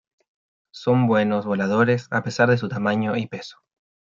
Son buenos voladores, a pesar de su tamaño y peso.